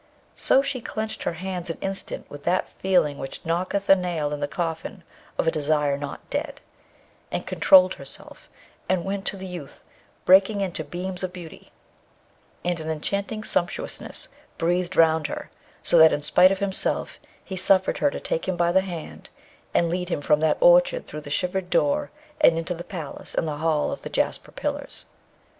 So she clenched her hands an instant with that feeling which knocketh a nail in the coffin of a desire not dead, and controlled herself, and went to the youth, breaking into beams of beauty; and an enchanting sumptuousness breathed round her, so that in spite of himself he suffered her to take him by the hand and lead him from that orchard through the shivered door and into the palace and the hall of the jasper pillars.